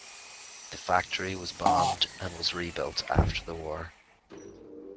The factory was bombed, and was rebuilt after the war.